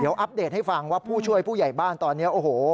เดี๋ยวอัปเดตให้ฟังว่าผู้ช่วยผู้ใหญ่บ้านตอนนี้โอ้โห